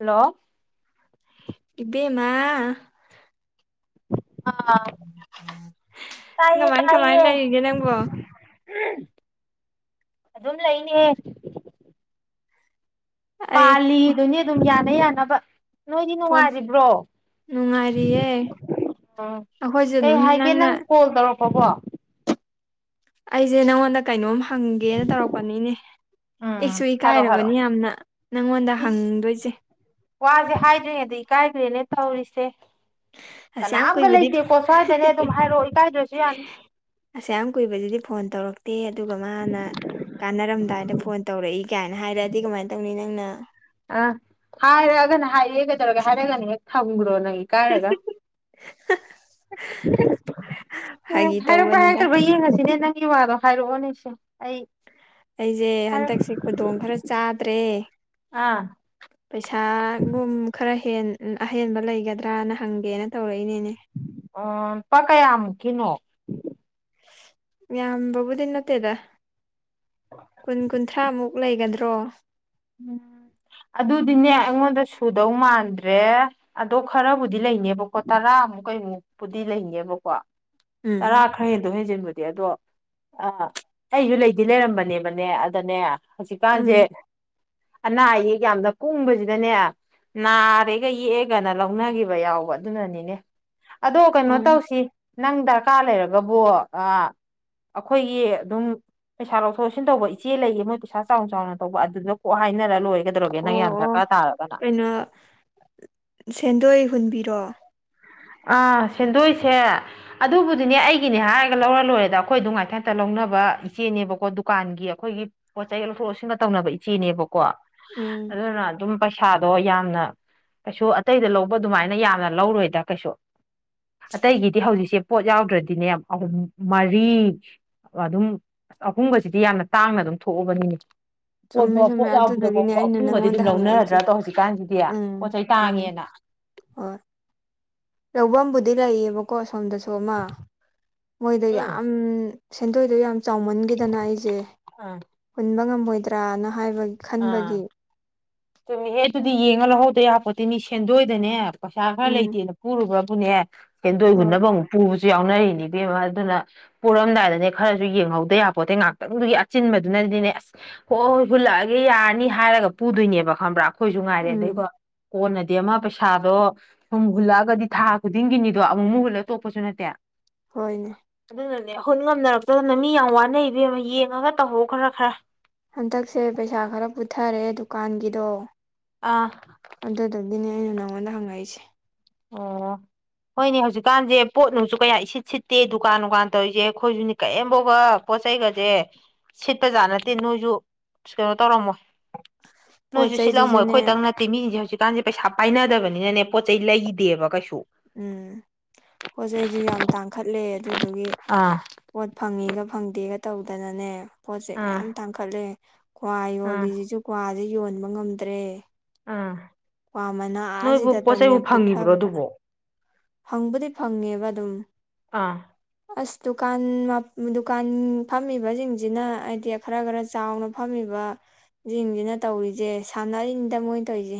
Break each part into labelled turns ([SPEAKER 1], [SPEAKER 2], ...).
[SPEAKER 1] Hello
[SPEAKER 2] ꯏꯕꯦꯃꯥ
[SPEAKER 1] ꯑꯥ ꯇꯥꯏꯌꯦ
[SPEAKER 2] ꯀꯃꯥꯏꯟ ꯀꯃꯥꯏꯟ
[SPEAKER 1] ꯇꯥꯏꯌꯦ
[SPEAKER 2] ꯂꯩꯔꯤꯒꯦ ꯅꯪꯕꯣ
[SPEAKER 1] ꯑꯗꯨꯝ ꯂꯩꯅꯦ
[SPEAKER 2] ꯑꯩ
[SPEAKER 1] ꯄꯥꯜꯂꯤꯗꯨꯅꯤ ꯑꯗꯨꯝ ꯌꯥꯅ ꯌꯥꯅꯕ ꯅꯣꯏꯗꯤ
[SPEAKER 2] ꯄꯣꯠ
[SPEAKER 1] ꯅꯨꯡꯉꯥꯏꯔꯤꯕ꯭ꯔꯣ
[SPEAKER 2] ꯅꯨꯡꯉꯥꯏꯔꯤꯌꯦ
[SPEAKER 1] ꯎꯝ
[SPEAKER 2] ꯑꯩꯈꯣꯏꯁꯨ
[SPEAKER 1] ꯀꯩ
[SPEAKER 2] ꯑꯗꯨꯝ
[SPEAKER 1] ꯍꯥꯏꯒꯦ
[SPEAKER 2] ꯅꯪꯅ
[SPEAKER 1] ꯅꯪ ꯀꯣꯜ ꯇꯧꯔꯛꯄꯀꯣ
[SPEAKER 2] ꯑꯩꯁꯦ ꯅꯪꯉꯣꯟꯗ ꯀꯩꯅꯣꯝ ꯍꯪꯒꯦꯅ ꯇꯧꯔꯛꯄꯅꯤꯅꯦ ꯏꯁꯨ
[SPEAKER 1] ꯎꯝ ꯍꯥꯏꯔꯣ ꯍꯥꯏꯔꯣ
[SPEAKER 2] ꯏꯀꯥꯏꯔꯕꯅꯤ ꯌꯥꯝꯅ ꯅꯪꯉꯣꯟꯗ
[SPEAKER 1] ꯏꯁ
[SPEAKER 2] ꯍꯪꯗꯣꯏꯁꯦ
[SPEAKER 1] ꯋꯥꯁꯦ ꯍꯥꯏꯗ꯭ꯔꯤꯉꯩꯗ ꯏꯀꯥꯏꯈ꯭ꯔꯦꯅꯦ ꯊꯧꯔꯤꯁꯦ
[SPEAKER 2] ꯑꯁꯌꯥꯝ
[SPEAKER 1] ꯀꯅꯥꯝꯒ
[SPEAKER 2] ꯀꯨꯏꯕꯗꯤ
[SPEAKER 1] ꯂꯩꯇꯦꯀꯣ ꯁ꯭ꯋꯥꯏꯗꯅꯦ ꯑꯗꯨꯝ ꯍꯥꯏꯔꯛꯑꯣ ꯏꯀꯥꯏꯗ꯭ꯔꯁꯨ ꯌꯥꯅꯤ
[SPEAKER 2] ꯑꯁꯌꯥꯝ ꯀꯨꯏꯕꯗꯨꯗꯤ ꯐꯣꯟ ꯇꯧꯔꯛꯇꯦ ꯑꯗꯨꯒ ꯃꯥꯅ ꯀꯥꯟꯅꯔꯝꯗꯥꯏꯗ ꯐꯣꯟ ꯇꯧꯔꯛꯏ ꯀꯥꯏꯅ ꯍꯥꯏꯔꯛꯑꯗꯤ ꯀꯃꯥꯏꯅ ꯇꯧꯅꯤ ꯅꯪꯅ
[SPEAKER 1] ꯑ ꯍꯥꯏꯔꯑꯒꯅ ꯍꯥꯏꯔꯛꯑꯦ ꯀꯩꯗꯧꯔꯒꯦ ꯍꯥꯏꯔꯒꯅ ꯍꯦꯛ ꯊꯝꯈ꯭ꯔꯣ ꯅꯪꯒꯤ ꯀꯥꯏ ꯔꯒ ꯎꯝ
[SPEAKER 2] ꯐꯥꯒꯤ
[SPEAKER 1] ꯍꯥꯏꯔꯛꯄꯔꯥ
[SPEAKER 2] ꯇꯧꯕꯅꯤꯗ
[SPEAKER 1] ꯍꯥꯏꯔꯛꯇꯕꯔꯥ ꯌꯦꯡꯉꯁꯤꯅꯦ ꯅꯪꯒꯤ ꯋꯥꯗꯣ ꯍꯥꯏꯔꯛꯑꯣꯅꯦꯁꯦ ꯑꯩ
[SPEAKER 2] ꯑꯩꯖꯦ
[SPEAKER 1] ꯍꯥꯏꯔꯛ
[SPEAKER 2] ꯍꯟꯗꯛꯁꯦ ꯈꯨꯗꯣꯡ ꯈꯔ ꯆꯥꯗ꯭ꯔꯦ
[SPEAKER 1] ꯑꯥ
[SPEAKER 2] ꯄꯩꯁꯥꯒꯨꯝ ꯈꯔ ꯍꯦꯟ ꯑꯍꯦꯟꯕ ꯂꯩꯒꯗ꯭ꯔꯥꯅ ꯍꯪꯒꯦꯅ ꯇꯧꯔꯛꯏꯅꯤꯅꯦ
[SPEAKER 1] ꯑꯣ ꯂꯨꯄꯥ ꯀꯌꯥꯃꯨꯛꯀꯤꯅꯣ
[SPEAKER 2] ꯌꯥꯝꯕꯕꯨꯗꯤ ꯅꯠꯇꯦꯗ ꯀꯨꯟ ꯀꯨꯟꯊ꯭ꯔꯥꯃꯨꯛ ꯂꯩꯒꯗ꯭ꯔꯣ
[SPEAKER 1] ꯎꯝ ꯑꯗꯨꯗꯤꯅꯦ ꯑꯩꯉꯣꯟꯗ ꯁꯨꯗꯧ ꯃꯥꯟꯗ꯭ꯔꯦ ꯑꯗꯣ ꯈꯔꯕꯨꯗꯤ ꯂꯩꯅꯦꯕꯀꯣ ꯇꯔꯥꯃꯨꯛ ꯀꯩꯃꯨꯛꯄꯨꯗꯤ ꯂꯩꯅꯦꯕꯀꯣ ꯇꯔꯥ
[SPEAKER 2] ꯎꯝ
[SPEAKER 1] ꯈ ꯍꯦꯟꯗꯣꯛ ꯍꯦꯟꯖꯤꯟꯕꯨꯗꯤ ꯑꯗꯣ ꯑꯩꯁꯨ ꯂꯩꯗꯤ ꯂꯩꯔꯝꯕꯅꯦꯕꯅꯦ ꯑꯗꯅꯦ
[SPEAKER 2] ꯎꯝ
[SPEAKER 1] ꯍꯧꯖꯤꯛꯀꯥꯟꯁꯦ ꯑꯅꯥ ꯑꯌꯦꯛ ꯌꯥꯝꯅ ꯀꯨꯡꯕꯁꯤꯗꯅꯦ ꯅꯥꯔꯦꯒ ꯌꯦꯛꯑꯦꯒꯅ ꯂꯧꯅꯒꯤꯕ ꯌꯥꯎꯕ ꯑꯗꯨꯅꯅꯤꯅꯦ ꯑꯗꯣ ꯀꯩꯅꯣ
[SPEAKER 2] ꯍꯣꯏ
[SPEAKER 1] ꯇꯧꯁꯤ ꯅꯪ ꯗꯔꯀꯥꯔ ꯂꯩꯔꯒꯕꯣ ꯑ ꯑꯩꯈꯣꯏꯒꯤ ꯑꯗꯨꯝ ꯄꯩꯁꯥ ꯂꯧꯊꯣꯛ ꯂꯧꯁꯤꯟ ꯇꯧꯕ ꯏꯆꯦ ꯂꯩꯌꯦ ꯃꯣꯏ ꯄꯩꯁꯥ ꯆꯥꯎꯅ ꯆꯥꯎꯅ ꯇꯧꯕ ꯑꯗꯨꯗ ꯑꯣ ꯍꯥꯏꯅꯔ ꯂꯣꯏꯔꯒꯗꯧꯣꯒꯦ ꯅꯪ ꯌꯥꯝ ꯗꯔꯀꯥꯔ ꯇꯥꯔꯒꯅ
[SPEAKER 2] ꯑꯗꯨ ꯁꯦꯟꯗꯣꯏ ꯍꯨꯟꯕꯤꯔꯣ
[SPEAKER 1] ꯑꯥ ꯁꯦꯟꯗꯣꯏꯁꯦ ꯑꯗꯨꯕꯨꯗꯤꯅꯦ ꯑꯩꯒꯤꯅꯦ ꯍꯥꯏꯔꯒ ꯂꯧꯔ ꯂꯣꯏꯔꯦꯗ ꯑꯩꯈꯣꯏꯗ ꯉꯥꯏꯊꯟꯇ ꯂꯧꯅꯕ ꯏꯆꯦꯅꯦꯕꯀꯣ ꯗꯨꯀꯥꯟꯒꯤ ꯑꯩꯈꯣꯏꯒꯤ ꯄꯣꯠ ꯆꯩ ꯂꯧꯊꯣꯛ ꯂꯧꯁꯤꯟꯒ ꯇꯧꯅꯕ ꯏꯆꯦꯅꯦꯕꯀꯣ
[SPEAKER 2] ꯎꯝ
[SPEAKER 1] ꯑꯗꯨꯅ ꯑꯗꯨꯝ ꯄꯩꯁꯥꯗꯣ ꯌꯥꯝꯅ ꯀꯩꯁꯨ ꯑꯇꯩꯗ ꯂꯧꯕ ꯑꯗꯨꯃꯥꯏꯅ ꯌꯥꯝꯅ ꯂꯧꯔꯣꯏꯗ ꯀꯩꯁꯨ ꯑꯇꯩꯒꯤꯗꯤ ꯍꯧꯖꯤꯛꯁꯦ ꯄꯣꯠ ꯌꯥꯎꯗ꯭ꯔꯗꯤꯅꯦꯨꯝ ꯃꯔꯤ ꯑꯗꯨꯝ ꯑꯍꯨꯝꯒꯤ ꯖꯤꯗꯤ ꯌꯥꯝꯅ ꯇꯥꯡꯅ ꯑꯗꯨꯝ ꯊꯣꯛꯑꯕꯅꯤꯅꯦ ꯄꯣꯠ
[SPEAKER 2] ꯆꯨꯝꯃꯦ
[SPEAKER 1] ꯐꯥꯎ
[SPEAKER 2] ꯆꯨꯝꯃꯦ
[SPEAKER 1] ꯄꯣꯠ
[SPEAKER 2] ꯑꯗꯨꯗꯨꯒꯤꯅꯦ
[SPEAKER 1] ꯌꯥꯎꯕꯗꯐꯥꯎꯕ
[SPEAKER 2] ꯑꯩꯅ
[SPEAKER 1] ꯑꯄꯨꯕꯗꯤ
[SPEAKER 2] ꯅꯪꯉꯣꯟꯗ
[SPEAKER 1] ꯑꯗꯨꯝ ꯂꯧꯅꯔꯗ꯭ꯔꯥ
[SPEAKER 2] ꯍꯪꯉꯛꯏꯁꯦ
[SPEAKER 1] ꯗꯣ ꯍꯧꯖꯤꯛꯀꯥꯟꯖꯤꯗꯤ ꯄꯣꯠ ꯆꯩ ꯇꯥꯡꯉꯦꯅ
[SPEAKER 2] ꯑꯣꯏ ꯂꯧꯕꯝꯕꯨꯗꯤ ꯂꯩꯌꯦꯕꯀꯣ ꯑꯁꯣꯝꯗꯁꯨ ꯑꯃ ꯃꯣꯏꯗ
[SPEAKER 1] ꯎꯝ
[SPEAKER 2] ꯌꯥꯝ ꯁꯦꯟꯗꯣꯏꯗꯣ ꯌꯥꯝ ꯆꯥꯎꯃꯟꯒꯤꯗꯅ ꯑꯩꯖꯦ
[SPEAKER 1] ꯑꯥ
[SPEAKER 2] ꯍꯨꯟꯕ ꯉꯝꯃꯣꯏꯗ꯭ꯔꯅ ꯍꯥꯏꯕ
[SPEAKER 1] ꯑꯥ
[SPEAKER 2] ꯈꯟꯕꯒꯤ
[SPEAKER 1] ꯆꯨꯝꯃꯤꯍꯦ ꯑꯗꯨꯗꯤ ꯌꯦꯡꯉ ꯂꯧꯍꯧꯗ ꯌꯥꯄꯣꯠꯇꯦꯁꯦꯟꯗꯣꯏꯗꯅꯦ ꯄꯩꯁꯥ ꯈꯔ
[SPEAKER 2] ꯎꯝ
[SPEAKER 1] ꯂꯩꯇꯦꯅ ꯄꯨꯔꯨꯕ꯭ꯔꯕꯨꯅꯦ ꯁꯦꯟꯗꯣꯏ
[SPEAKER 2] ꯍꯣꯏ
[SPEAKER 1] ꯍꯨꯟꯅꯕ ꯑꯃꯨꯛ ꯄꯨꯕ ꯖꯨ ꯌꯥꯎꯅꯔꯤꯅꯤ ꯏꯕꯦꯝꯃ ꯑꯗꯨꯅ ꯄꯨꯔꯝꯗꯥꯏꯗꯅꯦ ꯈꯔꯖꯨ ꯌꯦꯡꯍꯧꯗ ꯌꯥꯄꯣꯇꯦ ꯉꯥꯛꯇꯪꯗꯨꯒꯤ ꯑꯆꯤꯟꯕꯗꯨꯅꯗꯤꯅꯦ ꯑꯁ ꯍꯣꯏ ꯍꯣꯏ ꯍꯨꯜꯂꯛꯑꯒꯦ ꯌꯥꯔꯅꯤ ꯍꯥꯏꯔꯒ ꯄꯨꯗꯣꯏꯅꯦꯕ ꯈꯪꯕ꯭ꯔꯥ ꯑꯈꯣꯏꯖꯨ ꯉꯥꯏꯔꯦ
[SPEAKER 2] ꯎꯝ
[SPEAKER 1] ꯑꯗꯩꯒ ꯀꯣꯟꯅꯗꯤ ꯑꯃ ꯄꯩꯁꯥꯗꯣ ꯁꯨꯝ ꯍꯨꯜꯂꯛꯑꯒꯗꯤ ꯊꯥ ꯈꯨꯗꯤꯡꯒꯤꯅꯤꯗꯣ ꯑꯃꯨꯛ ꯃꯨꯛ ꯍꯨꯜꯂꯒ ꯇꯣꯛꯄꯁꯨ ꯅꯠꯇꯦ
[SPEAKER 2] ꯍꯣꯏꯅꯦ
[SPEAKER 1] ꯑꯗꯨꯅꯅꯦ ꯑꯈꯣꯏ ꯉꯝꯅꯔꯛꯇꯗꯅ ꯃꯤ ꯌꯥꯝ ꯋꯥꯅꯩ ꯏꯕꯦꯝꯃ ꯌꯦꯡꯉꯒ ꯇꯝꯃꯣ ꯈꯔ ꯈꯔ
[SPEAKER 2] ꯍꯟꯇꯛꯁꯦ ꯄꯩꯁꯥ ꯈꯔ ꯄꯨꯊꯔꯦ ꯗꯨꯀꯥꯟꯒꯤꯗꯣ
[SPEAKER 1] ꯑꯥ
[SPEAKER 2] ꯑꯗꯨꯗꯨꯒꯤꯅꯦ ꯑꯩꯅ ꯅꯪꯉꯣꯟꯗ ꯍꯪꯉꯛꯏꯁꯦ
[SPEAKER 1] ꯑꯣ ꯍꯣꯏꯅꯦ ꯍꯧꯖꯤꯛꯀꯥꯟꯖꯦ ꯄꯣꯠ ꯅꯨꯡꯁꯨ ꯀꯌꯥ ꯏꯁꯤꯠ ꯁꯤꯠꯇꯦ ꯗꯨꯀꯥꯟ ꯅꯨꯡꯒꯥꯟ ꯇꯧꯏꯖꯦ ꯈꯣꯏꯁꯨꯅꯤ ꯀꯩꯏꯝꯕꯧꯕ ꯄꯣꯠꯆꯩꯒꯖꯦ ꯁꯤꯠꯄ ꯖꯥꯠ ꯅꯠꯇꯦ ꯅꯣꯏꯖꯨ ꯀꯩꯅꯣ ꯇꯧꯔꯝꯃꯣꯏ
[SPEAKER 2] ꯄꯣꯠ
[SPEAKER 1] ꯅꯣꯏꯖꯨ ꯁꯤꯠꯂꯝꯃꯣꯏ
[SPEAKER 2] ꯆꯩꯗꯨꯁꯨꯅꯦ
[SPEAKER 1] ꯈꯣꯏꯇꯪ ꯅꯠꯇꯦ ꯇꯦ ꯃꯤꯖꯦ ꯍꯧꯖꯤꯛꯀꯥꯟꯖꯦ ꯄꯩꯁꯥ ꯄꯥꯏꯅꯗꯕꯅꯤꯅꯅꯦ ꯄꯣꯠ ꯆꯩ ꯂꯩꯗꯦꯕ ꯀꯩꯁꯨ
[SPEAKER 2] ꯎꯝ ꯄꯣꯠ ꯆꯩꯩꯍꯨꯏ ꯌꯥꯝ ꯇꯥꯡꯈꯠꯂꯦ ꯑꯗꯨꯗꯨꯒꯤ
[SPEAKER 1] ꯑꯥ
[SPEAKER 2] ꯄꯣꯠ ꯐꯪꯉꯤꯒ ꯐꯪꯗꯦꯒ ꯇꯧꯗꯅꯅꯦ ꯄꯣꯠꯁꯦ
[SPEAKER 1] ꯑꯥ
[SPEAKER 2] ꯃꯌꯥꯝ ꯇꯥꯡꯈꯠꯂꯦ ꯀ꯭ꯋꯥ
[SPEAKER 1] ꯑꯥ
[SPEAKER 2] ꯌꯣꯜꯂꯤꯖꯤꯖꯨ ꯀ꯭ꯋꯥꯖꯦ ꯌꯣꯟꯕ ꯉꯝꯗ꯭ꯔꯦ
[SPEAKER 1] ꯑꯥ
[SPEAKER 2] ꯀꯋ꯭ꯥ ꯃꯅꯥ
[SPEAKER 1] ꯅꯣꯏꯕꯨ ꯄꯣꯠ
[SPEAKER 2] ꯑꯥꯖꯤꯗꯒꯅꯦ
[SPEAKER 1] ꯆꯩꯕꯨ ꯐꯪꯉꯤꯕ꯭ꯔꯣ
[SPEAKER 2] ꯄꯨꯊꯕꯗ
[SPEAKER 1] ꯑꯗꯨꯕꯣ
[SPEAKER 2] ꯐꯪꯕꯨꯗꯤ ꯐꯪꯉꯦꯕ ꯑꯗꯨꯝ
[SPEAKER 1] ꯑꯥ
[SPEAKER 2] ꯑꯁ ꯗꯨꯀꯥꯟ ꯃꯞ ꯗꯨꯀꯥꯟ ꯐꯝꯃꯤꯕꯖꯤꯡꯖꯤꯅ ꯍꯥꯏꯗꯤ ꯈꯔ ꯒꯔ ꯆꯥꯎꯅ ꯐꯝꯃꯤꯕ ꯖꯤꯡꯖꯤꯅ ꯇꯧꯔꯤꯖꯦ ꯁꯥꯟꯅꯔꯤꯅꯤꯗ ꯃꯣꯏꯅ ꯇꯧꯔꯤꯖꯦ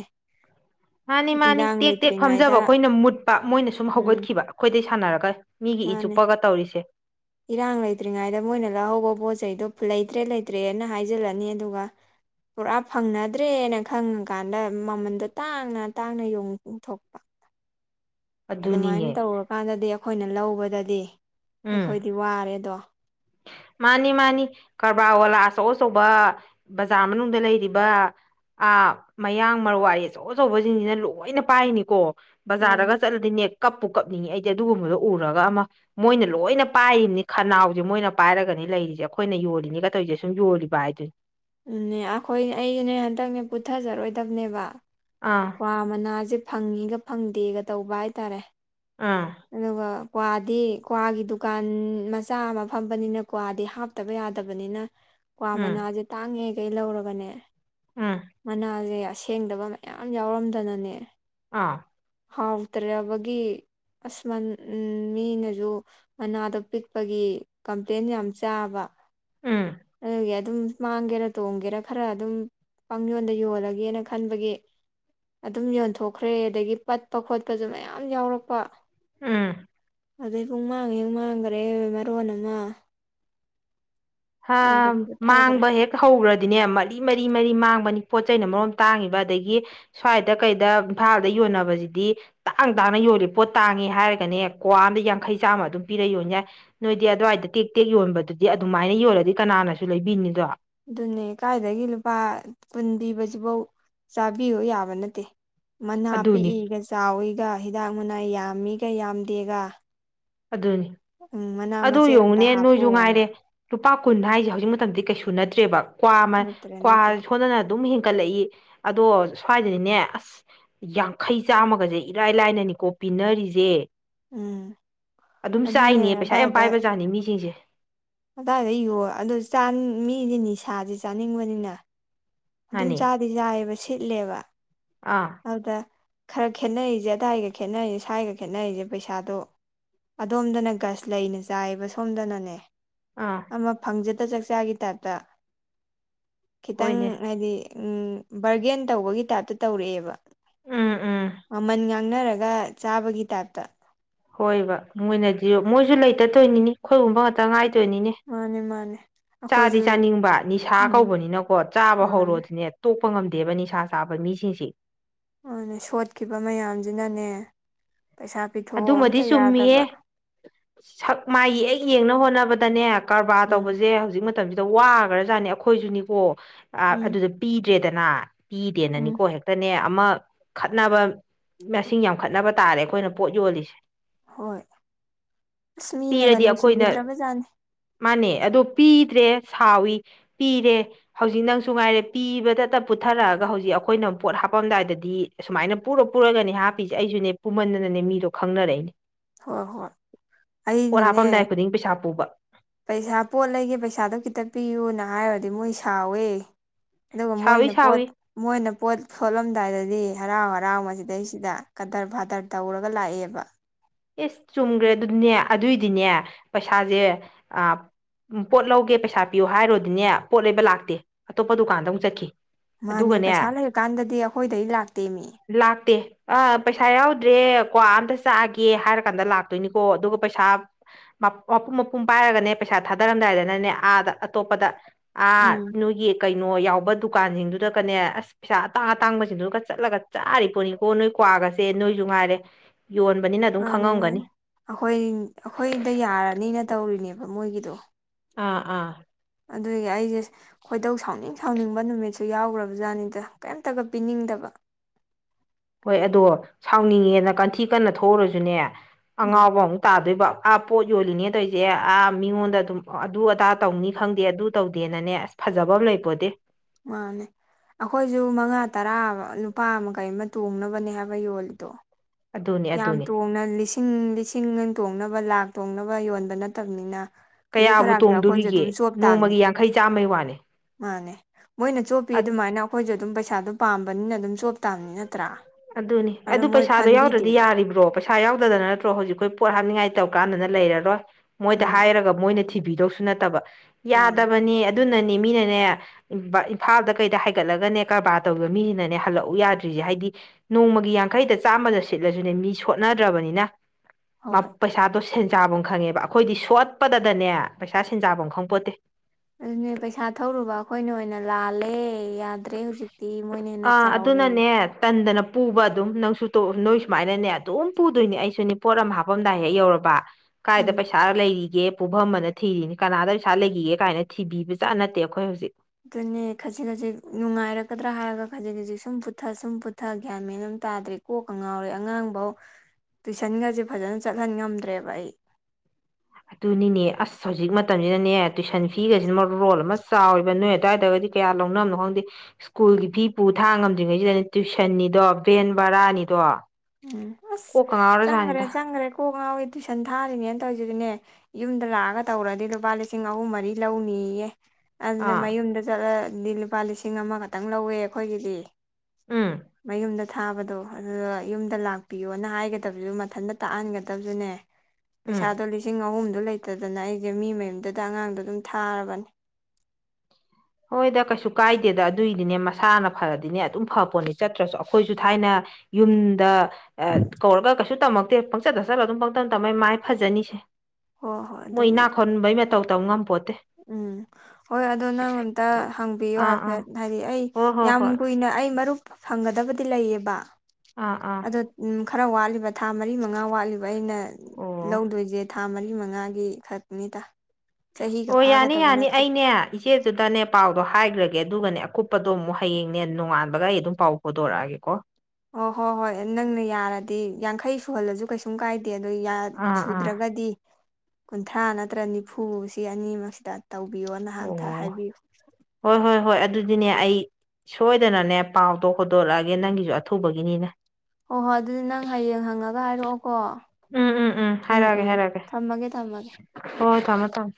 [SPEAKER 1] ꯃꯥꯅꯤ ꯃꯥꯅꯤ ꯇꯦꯛ ꯇꯦꯛ ꯐꯝꯖꯕ
[SPEAKER 2] ꯂꯩꯇ꯭ꯔꯤꯉꯩꯗ
[SPEAKER 1] ꯑꯈꯣꯏꯅ ꯃꯨꯠꯄ ꯃꯣꯏꯅ ꯁꯨꯝ
[SPEAKER 2] ꯎꯝ
[SPEAKER 1] ꯍꯧꯒꯠꯈꯤꯕ ꯑꯈꯣꯏꯗꯩ ꯁꯥꯟꯅꯔꯒ ꯃꯤꯒꯤ
[SPEAKER 2] ꯃꯥꯅꯦ
[SPEAKER 1] ꯏꯆꯨꯞꯄꯒ ꯇꯧꯔꯤꯁꯦ
[SPEAKER 2] [inaudible] ꯏꯔꯥꯡ ꯂꯩꯇ꯭ꯔꯤꯉꯩꯗ ꯃꯣꯏꯅ ꯂꯧꯍꯧꯕ ꯄꯣꯠ ꯆꯩꯗꯣ ꯂꯩꯇ꯭ꯔꯦ ꯂꯩꯇ꯭ꯔꯦꯅ ꯍꯥꯏꯖꯤꯜꯂꯅꯤ ꯑꯗꯨꯒ ꯄꯨꯔꯥ ꯐꯪꯅꯗ꯭ꯔꯦꯅ ꯈꯪꯉꯀꯥꯟꯗ ꯃꯃꯟꯗꯣ ꯇꯥꯡꯅ ꯇꯥꯡꯅ ꯌꯣꯡꯊꯣꯛꯄ
[SPEAKER 1] ꯑꯗꯨꯅꯤꯅꯦ
[SPEAKER 2] ꯑꯗꯨꯃꯥꯏꯅ ꯇꯧꯔꯀꯥꯟꯗꯗꯤ ꯑꯩꯈꯣꯏꯅ ꯂꯧꯕꯗꯗꯤ
[SPEAKER 1] ꯎꯝ
[SPEAKER 2] ꯑꯩꯈꯣꯏꯗꯤ ꯋꯥꯔꯦꯗꯣ
[SPEAKER 1] ꯃꯥꯅꯤ ꯃꯥꯅꯤ ꯀꯔꯕꯥꯔ ꯋꯥꯂꯥ ꯑꯆꯧ ꯑꯆꯧꯕ ꯕꯖꯥꯔ ꯃꯅꯨꯡꯗ ꯂꯩꯔꯤꯕ ꯑ ꯃꯌꯥꯡ ꯃꯔꯋꯥꯔꯤ ꯑꯆꯧ ꯑꯆꯧꯕꯖꯤꯡꯖꯤꯅ ꯂꯣꯏꯅ ꯄꯥꯏꯅꯤꯀꯣ ꯕꯖꯥꯔꯗꯒ
[SPEAKER 2] ꯃꯥꯅꯦ
[SPEAKER 1] ꯆꯠꯂꯗꯤꯅꯦꯛ ꯀꯞꯄꯨ ꯀꯞꯅꯤꯡꯉꯤ ꯑꯩꯗꯤ ꯑꯗꯨꯒꯨꯝꯕꯗꯣ ꯎꯔꯒ ꯑꯃ ꯃꯣꯏꯅ ꯂꯣꯏꯅ ꯄꯥꯏꯔꯤꯕꯅꯤ ꯈꯅꯥꯎꯁꯦ ꯃꯣꯏꯅ ꯄꯥꯏꯔꯒꯅꯤ ꯂꯩꯔꯤꯖꯦ ꯑꯈꯣꯏꯅ ꯌꯣꯜꯂꯤꯅꯦꯒ ꯇꯧꯏꯖꯦ ꯁꯨꯝ ꯌꯣꯜꯂꯤꯕ ꯍꯥꯏꯗꯨꯅꯤ
[SPEAKER 2] ꯎꯝꯅꯦ ꯑꯈꯣꯏ ꯑꯩꯁꯨꯅꯦ ꯍꯟꯇꯛꯅꯦ ꯄꯨꯊꯖꯔꯣꯏꯗꯕꯅꯦꯕ
[SPEAKER 1] ꯑꯥ
[SPEAKER 2] ꯀ꯭ꯋꯥ ꯃꯅꯥꯖꯦ ꯐꯪꯉꯤꯒ ꯐꯪꯗꯦꯒ ꯇꯧꯕ ꯍꯥꯏꯇꯥꯔꯦ
[SPEAKER 1] ꯑꯥ
[SPEAKER 2] ꯑꯗꯨꯒ ꯀ꯭ꯋꯥꯗꯤ ꯀ꯭ꯋꯥꯒꯤ ꯗꯨꯀꯥꯟ ꯃꯆꯥ ꯑꯃ ꯐꯝꯕꯅꯤꯅ ꯀ꯭ꯋꯥꯗꯤ ꯍꯥꯞ ꯇꯕ ꯌꯥꯗꯕꯅꯤꯅ ꯀ꯭ꯋꯥ
[SPEAKER 1] ꯎꯝ
[SPEAKER 2] ꯃꯅꯥꯖꯦ ꯇꯥꯡꯉꯦ ꯒꯩ ꯂꯧꯔꯒꯅꯦ
[SPEAKER 1] ꯎꯝ
[SPEAKER 2] ꯃꯅꯥꯖꯦ ꯑꯁꯤ ꯁꯦꯡꯗꯕ ꯃꯌꯥꯝ ꯌꯥꯎꯔꯝꯗꯅꯅꯦ
[SPEAKER 1] ꯑꯥ
[SPEAKER 2] ꯍꯥꯎꯇ꯭ꯔꯕꯒꯤ ꯑꯁ ꯃꯟ ꯃꯤꯅꯖꯨ ꯃꯅꯥꯗꯣ ꯄꯤꯛꯄꯒꯤ ꯀꯝꯄ꯭ꯂꯦꯟ ꯌꯥꯝ ꯆꯥꯕ
[SPEAKER 1] ꯑꯥ꯫
[SPEAKER 2] ꯑꯗꯨꯒꯤ ꯑꯗꯨꯝ ꯃꯥꯡꯒꯦꯔ ꯇꯣꯡꯒꯦꯔ ꯈꯔ ꯑꯗꯨꯝ__ ꯄꯪ ꯌꯣꯟꯗ ꯌꯣꯜꯂꯒꯦꯅ ꯈꯟꯕꯒꯤ꯫ ꯑꯗꯨꯝ ꯌꯣꯟꯊꯣꯛꯈ꯭ꯔꯦ ꯑꯗꯒꯤ ꯄꯠꯄ ꯈꯣꯠꯄꯁꯨ ꯃꯌꯥꯝ ꯌꯥꯎꯔꯛꯄ꯫
[SPEAKER 1] ꯎꯝ꯫
[SPEAKER 2] ꯑꯗꯩ ꯄꯨꯡ ꯃꯥꯡꯉꯦ ꯍ ꯃꯥꯡꯈ꯭ꯔꯦ ꯃꯔꯣꯟ ꯑꯃ__
[SPEAKER 1] ꯍꯥ
[SPEAKER 2] ꯄꯣꯊꯈ꯭ꯔꯦ
[SPEAKER 1] ꯃꯡꯕꯥꯍꯦꯛ꯫ ꯍꯧꯈ꯭ꯔꯗꯤꯅꯦ ꯃꯔꯤ ꯃꯔꯤ ꯃꯔꯤ ꯃꯥꯡꯕꯅꯤ ꯄꯣꯠ ꯆꯩꯅ ꯃꯔꯣꯝ ꯇꯥꯡꯉꯤꯕ ꯑꯗꯒꯤ__ ꯁ꯭ꯋꯥꯏꯗ ꯀꯩꯗ ꯏꯝꯐꯥꯜꯗ ꯌꯣꯟꯅꯕꯁꯤꯗꯤ꯫ ꯇꯥꯡ ꯇꯥꯡꯅ ꯌꯣꯜꯂꯤ ꯄꯣꯠ ꯇꯥꯡꯉꯦ ꯍꯥꯏꯔꯒꯅꯦ ꯀ꯭ꯋꯥ ꯑꯃꯗ ꯌꯥꯡꯈꯩ ꯆꯥꯝꯃ ꯑꯗꯨꯝ ꯄꯤꯔ ꯌꯣꯟꯅꯤ ꯌꯥꯏ꯫ ꯅꯣꯏꯗꯤ ꯑꯗꯨꯋꯥꯏꯗ ꯇꯦꯛ ꯇꯦꯛ ꯌꯣꯟꯕꯗꯨꯗꯤ ꯑꯗꯨꯃꯥꯏꯅ ꯌꯣꯜꯂꯗꯤ ꯀꯅꯥꯅꯁꯨ ꯂꯩꯕꯤꯅꯤꯗꯣ꯫
[SPEAKER 2] ꯑꯗꯨꯅꯦ ꯀꯥꯏꯗꯒꯤ ꯂꯨꯄꯥ ꯀꯨꯟ ꯄꯤꯕꯁꯤꯐꯧ ꯆꯥꯕꯤꯌꯨ ꯌꯥꯕ ꯅꯠꯇꯦ꯫ ꯃꯅꯥ
[SPEAKER 1] ꯑꯗꯨꯅꯤ
[SPEAKER 2] ꯄꯤꯛꯏꯒ ꯆꯥꯎꯏꯒ ꯍꯤꯗꯥꯛ ꯃꯅꯥ ꯌꯥꯝꯃꯤꯒ ꯌꯥꯝꯗꯦꯒ꯫
[SPEAKER 1] ꯑꯗꯨꯅꯤ꯫
[SPEAKER 2] ꯎꯝ ꯃꯅꯥ
[SPEAKER 1] ꯑꯗꯨ
[SPEAKER 2] ꯃꯆꯦꯠ ꯑꯃꯝꯇ
[SPEAKER 1] ꯌꯦꯡꯉꯨꯅꯦ ꯅꯣꯏꯁꯨ
[SPEAKER 2] ꯍꯥꯞꯄꯑꯣꯅ꯫
[SPEAKER 1] ꯉꯥꯏꯔꯦ ꯂꯨꯄꯥ ꯀꯨꯟ ꯍꯥꯏꯁꯦ ꯍꯧꯖꯤꯛ ꯃꯇꯝꯗꯤ ꯀꯩꯁꯨ ꯅꯠꯇ꯭ꯔꯦꯕ꯫ ꯀ꯭
[SPEAKER 2] ꯅꯠꯇ꯭ꯔꯦ
[SPEAKER 1] ꯀ꯭ꯋꯥ
[SPEAKER 2] ꯅꯠꯇ꯭ꯔꯦ
[SPEAKER 1] ꯁꯣꯟꯗꯅ ꯑꯗꯨꯝ ꯍꯦꯟꯒꯠꯂꯛꯏ ꯑꯗꯣ ꯁ꯭ꯋꯥꯏꯗꯗꯤꯅꯦ ꯑꯁ__ ꯌꯥꯡꯈꯩ ꯆꯥꯝꯃꯒꯁꯦ ꯏꯔꯥꯏ ꯂꯥꯏꯅꯅꯤꯀꯣ ꯄꯤꯟꯅꯔꯤꯁꯦ꯫
[SPEAKER 2] ꯎꯝ꯫
[SPEAKER 1] ꯑꯗꯨꯝ
[SPEAKER 2] ꯑꯗꯨꯅꯦ
[SPEAKER 1] ꯆꯥꯏꯏꯅꯦ ꯄꯩꯁꯥ ꯌꯥꯝ ꯄꯥꯏꯕꯖꯥꯠꯅꯤ ꯃꯤꯁꯤꯡꯁꯦ꯫
[SPEAKER 2] ꯑꯗꯨꯏꯗ ꯌꯣ ꯑꯗꯨ ꯃꯤꯁꯦ ꯅꯤꯁꯥꯁꯦ ꯆꯥꯅꯤꯡꯕꯅꯤꯅ꯫ ꯑꯗꯨꯝ
[SPEAKER 1] ꯃꯥꯅꯦ
[SPEAKER 2] ꯆꯥꯗꯤ ꯆꯥꯏꯑꯕ ꯁꯤꯠꯂꯦꯕ꯫
[SPEAKER 1] ꯑꯥ꯫
[SPEAKER 2] ꯑꯗꯨꯗ ꯈꯔ ꯈꯦꯠꯅꯔꯤꯁꯦ ꯑꯗꯥꯏꯒ ꯈꯦꯠꯅꯩꯁꯦ ꯁ꯭ꯋꯥꯏꯒ ꯈꯦꯠꯅꯔꯤꯁꯦ ꯄꯩꯁꯥꯗꯣ__ ꯑꯗꯣꯝꯗꯅ ꯒꯁ ꯂꯩꯅ ꯆꯥꯏꯑꯕ ꯁꯣꯝꯗꯅꯅꯦ꯫
[SPEAKER 1] ꯑꯥ꯫
[SPEAKER 2] ꯑꯃ ꯐꯪꯖꯗ꯭ꯔ ꯆꯛꯆꯥꯒꯤ ꯇꯥꯏꯞꯇ ꯈꯤꯇꯪ
[SPEAKER 1] ꯍꯣꯏꯅꯦ
[SPEAKER 2] ꯍꯥꯏꯗꯤ__ ꯎꯝ ꯕꯔꯒꯦꯟ ꯇꯧꯕꯒꯤ ꯇꯥꯏꯞꯇ ꯇꯧꯔꯛꯑꯦꯕ
[SPEAKER 1] ꯎꯝ ꯎꯝ
[SPEAKER 2] ꯃꯃꯟ__ ꯈꯛꯅꯔꯒ ꯆꯥꯕꯒꯤ ꯇꯥꯏꯞꯇ꯫
[SPEAKER 1] ꯍꯣꯏꯕ ꯃꯣꯏꯅꯗꯤꯁꯨ ꯃꯣꯏꯁꯨ ꯂꯩꯇꯠꯇꯣꯏꯅꯤꯅꯤ ꯈꯈꯣꯏꯒꯨꯝꯕ ꯉꯥꯛꯛꯇ ꯉꯥꯏꯗꯣꯏꯅꯤꯅꯦ꯫
[SPEAKER 2] ꯃꯥꯅꯦ ꯃꯥꯅꯦ ꯑꯩꯈꯣꯏꯁꯨ
[SPEAKER 1] ꯆꯥꯗꯤ ꯆꯥꯅꯤꯡꯕ ꯅꯤꯁꯥ
[SPEAKER 2] ꯎꯝ
[SPEAKER 1] ꯀꯧꯕꯅꯤꯅꯀꯣ ꯆꯥꯕ
[SPEAKER 2] ꯃꯥꯅꯦ
[SPEAKER 1] ꯍꯧꯔꯣꯗꯤꯅꯦ__ ꯇꯣꯛꯄ ꯉꯝꯗꯦꯕ ꯅꯤꯁꯥ ꯆꯥꯕ ꯃꯤꯁꯤꯡꯁꯦ꯫
[SPEAKER 2] ꯑꯣꯅꯦ ꯁꯣꯠꯈꯤꯕ ꯃꯌꯥꯝꯁꯤꯅꯅꯦ ꯄꯩꯁꯥ ꯄꯤꯊꯣꯛꯑꯣ
[SPEAKER 1] ꯑꯗꯨꯃꯗꯤ
[SPEAKER 2] ꯑꯝꯇ
[SPEAKER 1] ꯆꯨꯝꯃꯤꯌꯦ
[SPEAKER 2] ꯌꯥꯗꯕ꯫
[SPEAKER 1] ꯁꯛ ꯃꯥꯥꯏꯒꯤ ꯍꯦꯛ ꯌꯦꯡꯅ ꯍꯣꯠꯅꯕꯗꯅꯦ ꯀꯔꯕꯥꯔ
[SPEAKER 2] ꯎꯝ
[SPEAKER 1] ꯇꯧꯕꯁꯦ ꯍꯧꯖꯤꯛ__ ꯃꯇꯝꯁꯤꯗ ꯋꯥꯈ꯭ꯔꯖꯥꯠꯅꯤ ꯑꯩꯈꯣꯏꯁꯨꯅꯤꯀꯣ
[SPEAKER 2] ꯎꯝ
[SPEAKER 1] ꯑꯗꯨꯗ ꯄꯤꯗ꯭ꯔꯦꯗꯅ__
[SPEAKER 2] ꯎꯝ
[SPEAKER 1] ꯄꯤꯗꯦꯅꯅꯤꯀꯣ ꯍꯦꯛꯇꯅꯦ ꯑꯃ ꯈꯠꯅꯕ ꯃꯁꯤꯡ ꯌꯥꯝ ꯈꯠꯅꯕ ꯇꯥꯔꯦ ꯑꯩꯈꯣꯏꯅ꯫ ꯄꯣꯠ ꯌꯣꯜꯂꯤꯁꯦ꯫
[SPEAKER 2] ꯍꯣꯏ ꯑꯁ ꯃꯤꯅꯒ
[SPEAKER 1] ꯄꯤꯔꯗꯤ ꯑꯩꯈꯣꯏꯅ
[SPEAKER 2] ꯅꯨꯡꯁꯤꯈꯤꯗ꯭ꯔꯕ ꯖꯥꯠꯅꯦ꯫
[SPEAKER 1] ꯃꯥꯅꯦ ꯑꯗꯣ ꯄꯤꯗ꯭ꯔꯦ ꯁꯥꯎꯋꯤ ꯄꯤꯔꯦ__ ꯍꯧꯖꯤꯛ ꯅꯪꯁꯨ ꯉꯥꯏꯔꯦ ꯄꯤꯕꯗꯇ ꯄꯨꯊꯔꯛꯑꯒ ꯍꯧꯖꯤꯛ ꯑꯩꯈꯣꯏꯅ ꯑꯃ ꯄꯣꯠ ꯍꯥꯞꯄꯝꯗꯥꯏꯗꯗꯤ__ ꯁꯨꯃꯥꯏꯅ ꯄꯨꯔ ꯄꯨꯔꯒꯅꯦ ꯍꯥꯞꯄꯤꯁꯦ ꯑꯩꯁꯨꯅꯦ ꯄꯨꯃꯟꯗꯅꯅꯦ ꯃꯤꯗꯣ ꯈꯪꯅꯔꯛꯏꯅꯦ꯫
[SPEAKER 2] ꯍꯣꯏ ꯍꯣꯏ
[SPEAKER 1] ꯄꯣꯠ
[SPEAKER 2] ꯑꯩꯅꯅꯦ
[SPEAKER 1] ꯍꯥꯄꯝꯗꯥꯏ ꯈꯨꯗꯤꯡ ꯄꯩꯁꯥ ꯄꯨꯕ
[SPEAKER 2] ꯄꯩꯁꯥ ꯄꯣꯠ ꯂꯩꯒꯦ ꯄꯩꯁꯥꯗꯣ ꯈꯤꯇ ꯄꯤꯌꯨꯅ ꯍꯥꯏꯌꯨꯔꯗꯤ ꯃꯣꯏ ꯁꯥꯎꯋꯦ ꯑꯗꯨꯒ
[SPEAKER 1] ꯁꯥꯎꯏ
[SPEAKER 2] ꯃꯣꯏꯅ ꯄꯣꯠ__
[SPEAKER 1] ꯁꯥꯎꯏ
[SPEAKER 2] ꯃꯣꯏꯅ ꯄꯣꯠ ꯁꯣꯠꯂꯝꯗꯥꯏꯗꯗꯤ ꯍꯔꯥꯎ ꯍꯔꯥꯎ ꯃꯁꯤꯗꯩꯁꯤꯗ ꯀꯗꯔ ꯐꯥꯗꯔ ꯇꯧꯔꯒ ꯂꯥꯛꯑꯦꯕ
[SPEAKER 1] ꯏꯁ ꯆꯨꯝꯒ꯭ꯔꯦ ꯑꯗꯨꯗꯤꯅꯦ ꯑꯗꯨꯏꯗꯤꯅꯦ ꯄꯩꯁꯥꯁꯦ ꯑꯥ ꯎꯝ ꯄꯣꯠ ꯂꯧꯒꯦ ꯄꯩꯁꯥ ꯄꯤꯌꯣ ꯍꯥꯏꯔꯣꯗꯤꯅꯦ ꯄꯣꯠ ꯂꯩꯕ ꯂꯥꯛꯇꯦ ꯑꯇꯣꯞꯄ ꯗꯨꯀꯥꯟꯗ ꯑꯃꯨꯛ ꯆꯠꯈꯤ
[SPEAKER 2] ꯃꯥꯅꯦ
[SPEAKER 1] ꯑꯗꯨꯒꯅꯦ
[SPEAKER 2] ꯄꯩꯁꯥ ꯂꯩꯔꯀꯥꯟꯗꯗꯤ ꯑꯩꯈꯣꯏꯗꯩ ꯂꯥꯛꯇꯦ ꯃꯤ
[SPEAKER 1] ꯂꯥꯛꯇꯦ ꯑ ꯄꯩꯁꯥ ꯌꯥꯎꯗ꯭ꯔꯦ ꯀ꯭ꯋꯥ ꯑꯝꯇ ꯆꯥꯒꯦ ꯒꯦ ꯍꯥꯏꯔ ꯀꯥꯟꯗ ꯂꯥꯛꯇꯣꯏꯅꯤꯀꯣ ꯑꯗꯨꯒ ꯄꯩꯁꯥ ꯃꯄ ꯃꯄꯨꯝ ꯃꯄꯨꯝ ꯄꯥꯏꯔꯒꯅꯦ ꯄꯩꯁꯥ ꯊꯥꯗꯔꯝꯗꯥꯏꯗꯅꯅꯦ ꯑꯥꯗ ꯑꯇꯣꯞꯄꯗ ꯑꯥ
[SPEAKER 2] ꯎꯝ
[SPEAKER 1] ꯅꯣꯏꯒꯤ ꯀꯩꯅꯣ ꯌꯥꯎꯕ ꯗꯨꯀꯥꯟꯁꯤꯡꯗꯨꯗꯀꯅꯦ ꯑꯁ ꯄꯩꯁꯥ ꯑꯇꯥꯡ ꯑꯇꯥꯡꯕꯁꯤꯡꯗꯨꯒ ꯆꯠꯂꯒ ꯆꯥꯔꯤ ꯄꯣꯅꯤꯀꯣ ꯅꯣꯏ ꯀ꯭ꯋꯥꯒꯁꯦ ꯅꯣꯏꯁꯨ ꯉꯥꯏꯔꯦ ꯌꯣꯟꯕꯅꯤ ꯅ
[SPEAKER 2] ꯃꯥꯅꯦ ꯃꯥꯅꯦ ꯑ ꯩꯈꯣꯏ ꯑꯩꯈꯣꯏꯗ ꯌꯥꯔꯅꯤꯅ ꯇꯧꯔꯤꯅꯦꯕ ꯃꯣꯏꯒꯤꯗꯣ
[SPEAKER 1] ꯑꯥ ꯑꯥ
[SPEAKER 2] ꯑꯗꯨꯒꯤ ꯑꯩꯁꯦ ꯈꯣꯏꯗꯧ ꯁꯥꯎꯅꯤꯡ ꯁꯥꯎꯅꯤꯡꯕ ꯅꯨꯃꯤꯠꯁꯦ ꯁꯨ ꯌꯥꯎꯒ꯭ꯔꯕ ꯖꯥꯠꯅꯤꯗ ꯀꯦꯝꯇꯒ ꯄꯤꯅꯤꯡꯗꯕ
[SPEAKER 1] ꯍꯣꯏ ꯑꯗꯣ ꯁꯥꯎꯅꯤꯡꯉꯦꯅ ꯀꯟꯊꯤ ꯀꯟꯅ ꯊꯣꯛꯎꯔꯁꯨꯅꯦ
[SPEAKER 2] ꯎꯝ
[SPEAKER 1] ꯑꯉꯥꯎꯕ ꯑꯃꯨꯛ ꯇꯥꯗꯣꯏꯕ ꯑꯥ ꯄꯣꯠ ꯌꯣꯜꯂꯤꯅꯦ ꯇꯧꯏꯁꯦ ꯑꯥ ꯃꯤꯉꯣꯟꯗ ꯑꯗꯨꯝ ꯑꯗꯨ ꯑꯗꯥ ꯇꯧꯅꯤ ꯈꯪꯗꯦ ꯑꯗꯨ ꯇꯧꯗꯦꯅꯅꯦ ꯑꯁ ꯐꯖꯕꯝ ꯂꯩꯄꯣꯠꯇꯦ
[SPEAKER 2] ꯃꯥꯅꯦ ꯑꯩꯈꯣꯏꯁꯨ ꯃꯉꯥ ꯇꯔꯥ ꯂꯨꯄꯥ ꯑꯃ ꯀꯩ ꯑꯃ ꯇꯣꯡꯅꯕꯅꯦ ꯍꯥꯏꯕ ꯌꯣꯜꯂꯤꯗꯣ
[SPEAKER 1] ꯑꯗꯨꯅꯤ
[SPEAKER 2] ꯌꯥꯝ
[SPEAKER 1] ꯑꯗꯨꯅꯤ
[SPEAKER 2] ꯇꯣꯡꯅ ꯂꯤꯁꯤꯡ ꯂꯤꯁꯤꯡ ꯍꯥꯏꯟ ꯇꯣꯡꯅꯕ ꯂꯥꯛ ꯇꯣꯡꯅꯕ ꯌꯣꯟꯕ ꯅꯠꯇꯕꯅꯤꯅ ꯈꯖꯤꯛ
[SPEAKER 1] ꯀꯌꯥꯕꯨ
[SPEAKER 2] ꯈꯔꯥꯛꯇ ꯑꯩꯈꯣꯏꯁꯨ
[SPEAKER 1] ꯇꯣꯡꯗꯣꯔꯤꯒꯦ
[SPEAKER 2] ꯑꯗꯨꯝ ꯆꯣꯞ ꯇꯥꯕꯅꯤ
[SPEAKER 1] ꯅꯣꯡꯃꯒꯤ ꯌꯥꯡꯈꯩ ꯆꯥꯝꯃꯩ ꯋꯥꯅꯦ
[SPEAKER 2] ꯃꯥꯅꯦ ꯃꯣꯏꯅ ꯆꯣꯞꯄꯤ ꯑꯗꯨꯃꯥꯏꯅ ꯑꯩꯈꯣꯏꯁꯨ ꯑꯗꯨꯝ ꯄꯩꯁꯥꯗꯣ ꯄꯥꯝꯕꯅꯤꯅ ꯑꯗꯨꯝ ꯆꯣꯞ ꯇꯥꯕꯅꯤ ꯅꯠꯇ꯭ꯔꯥ
[SPEAKER 1] ꯑꯗꯨꯅꯤ
[SPEAKER 2] ꯑꯗꯣ
[SPEAKER 1] ꯑꯗꯨ
[SPEAKER 2] ꯃꯣꯏ
[SPEAKER 1] ꯄꯩꯁꯥꯗꯣ ꯌꯥꯎꯗ꯭ꯔꯗꯤ
[SPEAKER 2] ꯈꯟꯕꯤꯗꯦꯕ
[SPEAKER 1] ꯌꯥꯔꯤ ꯕ꯭ꯔꯣ ꯄꯩꯁꯥ ꯌꯥꯎꯗꯗꯅ ꯅꯠꯇ꯭ꯔꯣ ꯍꯧꯖꯤꯛꯈꯣꯏ ꯄꯣꯠ ꯍꯥꯞꯅꯤꯡꯉꯥꯏ ꯇꯧ ꯀꯥꯟꯗꯅ ꯂꯩꯔꯔꯣꯏ ꯃꯣꯏꯗ
[SPEAKER 2] ꯎꯝ
[SPEAKER 1] ꯍꯥꯏꯔꯒ ꯃꯣꯏꯅ ꯊꯤ__ ꯊꯕꯤꯗꯧꯁꯨ ꯅꯠꯇꯕ
[SPEAKER 2] ꯃꯥꯅꯦ
[SPEAKER 1] ꯌꯥꯗꯕꯅꯦ ꯑꯗꯨꯅꯅꯦ ꯃꯤꯅꯅꯦ ꯏꯝꯕꯥ ꯏꯝꯐꯥꯜꯗ ꯀꯩꯗ ꯍꯥꯏꯒꯠꯂꯒꯅꯦ ꯀꯔꯕꯥꯔ ꯇꯧꯔꯤꯕ ꯃꯤꯁꯤꯅꯅꯦ ꯍꯜꯂꯛꯎ ꯌꯥꯗ꯭ꯔꯤꯁꯦ ꯍꯥꯏꯗꯤ ꯅꯣꯡꯃꯒꯤ ꯌꯥꯡꯈꯩꯗ ꯆꯥꯝꯃꯗ ꯁꯤꯠꯂꯁꯨꯅꯦ ꯃꯤ ꯁꯣꯠꯅꯗ꯭ꯔꯕꯅꯤꯅ ꯃꯞ
[SPEAKER 2] ꯍꯣꯏ
[SPEAKER 1] ꯄꯩꯁꯥꯗꯣ ꯁꯦꯟꯖꯥꯕꯝ ꯈꯪꯉꯦꯕ ꯑꯩꯈꯣꯏꯗꯤ ꯁꯣꯠꯄꯗꯗꯅꯦ ꯄꯩꯁꯥ ꯁꯦꯟꯖꯥꯕꯝ ꯈꯪ ꯄꯣꯠꯇꯦ
[SPEAKER 2] ꯑꯗꯨꯅꯦ ꯄꯩꯁꯥ ꯊꯧꯔꯨꯕ ꯑꯩꯈꯣꯏꯅ ꯑꯣꯏꯅ ꯂꯥꯜꯂꯦ ꯌꯥꯗ꯭ꯔꯦ ꯍꯧꯖꯤꯛꯇꯤ ꯃꯣꯏꯅ ꯍꯦꯟꯅ
[SPEAKER 1] ꯑꯥ
[SPEAKER 2] ꯆꯥꯎꯔꯦ
[SPEAKER 1] ꯑꯗꯨꯅꯅꯦ ꯇꯟꯗꯅ ꯄꯨꯕ ꯑꯗꯨꯝ ꯅꯪꯁꯨ ꯇꯣ ꯅꯣꯏ ꯁꯨꯃꯥꯏꯅꯅꯦ ꯑꯗꯨꯝ ꯄꯨꯗꯣꯏꯅꯤ ꯑꯩꯁꯨꯅꯤ ꯄꯣꯠ ꯑꯃ ꯍꯥꯞꯄꯝꯗꯥꯏ ꯍꯦꯛ ꯌꯧꯔꯕ ꯀꯥꯏꯗ
[SPEAKER 2] ꯎꯝ
[SPEAKER 1] ꯄꯩꯁꯥ__ ꯄꯩꯁꯥ ꯂꯩꯔꯤꯒꯦ ꯄꯨꯕꯝꯑꯅ ꯊꯤꯔꯤꯅꯤ ꯀꯅꯥꯗ ꯄꯩꯥ ꯂꯩꯒꯤꯒꯦ ꯀꯥꯏꯅ ꯊꯤꯕꯤꯕ ꯖꯥꯠ ꯅꯠꯇꯦ ꯑꯩꯈꯣꯏ ꯍꯧꯖꯤꯛ
[SPEAKER 2] ꯑꯗꯨꯅꯦ ꯈꯖꯤꯛ ꯈꯖꯤꯛ ꯅꯨꯡꯉꯥꯏꯔꯛꯀꯗ꯭ꯔꯥ ꯍꯥꯏꯔꯒ ꯈꯖꯤꯛ ꯈꯖꯤꯛ ꯁꯨꯝ ꯄꯨꯊ ꯁꯨꯝ ꯄꯨꯊ ꯒ꯭ꯌꯥꯟ ꯃꯦꯟ ꯑꯃ ꯇꯥꯗ꯭ꯔꯦ ꯀꯣꯛꯀ ꯉꯥꯎꯔꯦ ꯑꯉꯥꯡꯐꯧ ꯇꯨꯏꯁꯟꯒꯁꯦ ꯐꯖꯅ ꯆꯠꯍꯟ ꯉꯝꯗ꯭ꯔꯦꯕ ꯑꯩ
[SPEAKER 1] ꯑꯗꯨꯅꯤꯅꯦ ꯑꯁ ꯍꯧꯖꯤꯛ ꯃꯇꯝꯁꯤꯅꯅꯦ ꯇꯨꯏꯁꯟ ꯐꯤꯒꯁꯤꯅ ꯃꯔꯣꯜ ꯑꯃ ꯆꯥꯎꯋꯤꯕ ꯅꯣꯏ ꯑꯗꯨꯋꯥꯏꯗꯒꯗꯤ ꯀꯌꯥ ꯂꯧꯅꯕꯅꯣ ꯈꯪꯗꯦ ꯁ꯭ꯀꯨꯜꯒꯤ ꯐꯤ ꯄꯨ ꯊꯥꯡ ꯉꯝꯗ꯭ꯔꯤꯉꯩꯁꯤꯗꯅꯦ ꯇꯨꯏꯁꯟꯅꯤꯗꯣ ꯚꯦꯟ ꯕꯔꯥꯅꯤꯗꯣ
[SPEAKER 2] ꯎꯝ ꯑꯁ ꯆꯪꯒꯔꯦ ꯆꯪꯒꯔꯦ ꯀꯣꯛ ꯉꯥꯎꯋꯤ ꯇꯨꯏꯁꯟ ꯊꯥꯔꯤꯅꯦꯅ ꯇꯧꯌꯤꯖꯤꯁꯨꯅꯦ ꯌꯨꯝꯗ ꯂꯥꯛꯑꯒ ꯇꯧꯔꯗꯤ ꯂꯨꯄꯥ ꯂꯤꯁꯤꯡ ꯑꯍꯨꯝ ꯃꯔꯤ ꯂꯧꯅꯤꯌꯦ ꯑꯗꯨꯗ
[SPEAKER 1] ꯑꯥ
[SPEAKER 2] ꯃꯌꯨꯝꯗ ꯆꯠꯂꯗꯤ ꯂꯨꯄꯥ ꯂꯤꯁꯤꯡ ꯑꯃꯈꯛꯇꯪ ꯂꯧꯋꯦ ꯑꯩꯈꯣꯏꯒꯤꯗꯤ
[SPEAKER 1] ꯎꯝ
[SPEAKER 2] ꯃꯌꯨꯝꯗ ꯊꯥꯕꯗꯣ ꯑꯗꯨꯗꯣ [unintelligible] ꯌꯨꯝꯗ ꯂꯥꯛꯄꯤꯌꯣꯅ ꯍꯥꯏꯒꯗꯕꯁꯨ ꯃꯊꯟꯇ ꯇꯥꯛꯍꯟꯒꯗꯕꯁꯨꯅꯦ
[SPEAKER 1] ꯎꯝ
[SPEAKER 2] ꯄꯩꯁꯥꯗꯣ ꯂꯤꯁꯤꯡ__ ꯂꯤꯁꯤꯡ ꯑꯍꯨꯝꯗꯣ ꯂꯩꯇꯗꯅ ꯑꯩꯁꯦ ꯃꯤ ꯃꯌꯨꯝꯗꯨꯗ ꯑꯉꯥꯡꯗꯣ ꯑꯗꯨꯝ ꯊꯥꯔꯕꯅꯦ
[SPEAKER 1] ꯍꯣꯏꯗ ꯀꯩꯁꯨ ꯀꯥꯏꯗꯦꯗ ꯑꯗꯨꯏꯗꯤꯅꯦ ꯃꯁꯥꯅ ꯐꯔꯗꯤꯅꯦ ꯑꯗꯨꯝ ꯐꯄꯣꯠꯅꯦ ꯆꯠꯇ꯭ꯔꯁꯨ ꯑꯩꯈꯣꯏꯁꯨ ꯊꯥꯏꯅ ꯌꯨꯝꯗ [unintelligible] ꯀꯧꯔꯒ ꯀꯩꯁꯨ ꯇꯝꯃꯛꯇꯦ ꯄꯪꯆꯠꯇ ꯆꯠꯂ ꯑꯗꯨꯝ ꯄꯪꯇꯝ ꯇꯝꯃꯛꯑꯦ ꯃꯥꯏ ꯐꯖꯅꯤꯁꯦ
[SPEAKER 2] ꯍꯣꯏ ꯍꯣꯏ
[SPEAKER 1] ꯃꯣꯏ
[SPEAKER 2] ꯑꯗꯨꯕꯨꯗꯤ
[SPEAKER 1] ꯏꯅꯥꯛꯈꯣꯟꯕꯩ ꯃꯇꯧ ꯇꯧ ꯉꯝꯄꯣꯠꯇꯦ
[SPEAKER 2] ꯎꯝ ꯍꯣꯏ ꯑꯗꯨꯗꯣ ꯅꯪ ꯑ ꯇ ꯍꯪꯕꯤꯌꯨ
[SPEAKER 1] ꯑꯥ ꯑꯥ
[SPEAKER 2] ꯍꯥꯏꯐꯦꯠ ꯍꯥꯏꯗꯤ ꯑꯩ
[SPEAKER 1] ꯍꯣꯏ ꯍꯣꯏ
[SPEAKER 2] ꯌꯥꯝ
[SPEAKER 1] ꯍꯣꯏ
[SPEAKER 2] ꯀꯨꯏꯅ ꯑꯩ ꯃꯔꯨꯞ ꯐꯪꯒꯗꯕꯗꯤ ꯂꯩꯌꯦꯕ
[SPEAKER 1] ꯑꯥ ꯑꯥ
[SPEAKER 2] ꯑꯗꯣ ꯎꯝ ꯈꯔ ꯋꯥꯠꯂꯤꯕ ꯊꯥ ꯃꯔꯤ ꯃꯉꯥ ꯋꯥꯠꯂꯤꯕ ꯑ ꯑꯩꯅ
[SPEAKER 1] ꯑꯣ
[SPEAKER 2] ꯂꯧꯗꯣꯏꯁꯦ ꯊꯥ ꯃꯔꯤ ꯃꯉꯥꯒꯤ ꯈꯛꯅꯤ ꯇ
[SPEAKER 1] ꯑꯣ ꯌꯥꯅꯤ ꯌꯥꯅꯤ ꯑꯩꯅꯦ ꯏꯆꯦꯗꯨꯗꯅꯦ ꯄꯥꯎꯗꯣ ꯍꯥꯏꯈ꯭ꯔꯒꯦ ꯑꯗꯨꯒꯅꯦ ꯑꯀꯨꯞꯄꯗꯣ ꯑꯃꯨꯛ ꯍꯌꯦꯡꯅꯦ ꯅꯣꯡꯉꯥꯟꯕꯒ ꯑꯩ ꯑꯗꯨꯝ ꯄꯥꯎ ꯄꯨꯗꯣꯔꯛꯑꯒꯦꯀꯣ
[SPEAKER 2] ꯑꯣ ꯍꯣ ꯍꯣꯏ ꯅꯪꯅ ꯌꯥꯔꯗꯤ ꯌꯥꯡꯈꯩ ꯁꯨꯍꯜꯂꯁꯨ ꯀꯩꯁꯨꯝ ꯀꯥꯏ ꯠꯇꯦ ꯑꯗꯨ
[SPEAKER 1] ꯑꯥ ꯑꯥ
[SPEAKER 2] ꯁꯨꯗ꯭ꯔꯒꯗꯤ ꯀꯨꯟꯊ꯭ꯔꯥ ꯅꯠꯇ꯭ꯔ ꯅꯤꯐꯨ ꯁꯤ ꯑꯅꯤꯃꯛꯁꯤꯗ ꯇꯧꯕꯤꯌꯣꯅ ꯑꯃꯝꯇ
[SPEAKER 1] ꯑꯣ
[SPEAKER 2] ꯍꯥꯏꯕꯤꯌꯨ꯫
[SPEAKER 1] ꯍꯣꯏ ꯍꯣꯏ ꯍꯣꯏ ꯑꯗꯨꯗꯤꯅꯦ ꯑꯩ ꯁꯣꯏꯗꯅꯅꯦ ꯄꯥꯎꯗꯣꯛ ꯍꯨꯇꯣꯔꯛꯑꯒꯦ ꯅꯪꯒꯤꯁꯨ ꯑꯊꯨꯕꯒꯤꯅꯤꯅ
[SPEAKER 2] ꯍꯣ ꯍꯣꯏ ꯑꯗꯨꯗꯤ ꯅꯪ ꯍꯌꯦꯡ ꯍꯪꯉꯒ ꯍꯥꯏꯔꯛꯑꯣꯀꯣ
[SPEAKER 1] ꯎꯝ ꯎꯝ
[SPEAKER 2] ꯎꯝ
[SPEAKER 1] ꯍꯥꯏꯔꯛꯑꯒꯦ
[SPEAKER 2] ꯎꯝ
[SPEAKER 1] ꯍꯥꯏꯔꯛꯑꯒꯦ
[SPEAKER 2] ꯊꯝꯃꯒꯦ ꯊꯝꯃꯒꯦ
[SPEAKER 1] ꯍꯣꯏ ꯊꯝꯃꯣ ꯊꯝꯃꯣ